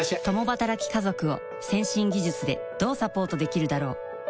共働き家族を先進技術でどうサポートできるだろう？